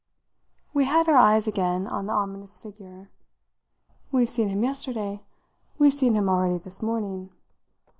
We had our eyes again on the ominous figure. "We've seen him yesterday we've seen him already this morning."